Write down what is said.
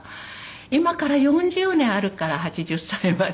今から４０年あるから８０歳まで。